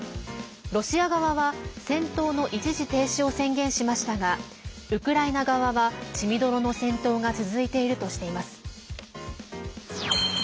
ロシア側は戦闘の一時停止を宣言しましたがウクライナ側は血みどろの戦闘が続いているとしています。